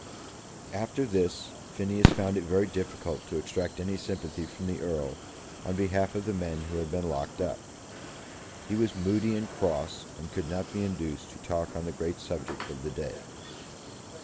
After this Phineas found it very difficult to extract any sympathy from the Earl on behalf of the men who had been locked up. He was moody and cross, and could not be induced to talk on the great subject of the day.